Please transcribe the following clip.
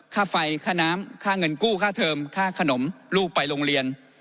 ค่าไฟค่าน้ำค่าเงินกู้ค่าเทิมค่าขนมลูกไปโรงเรียน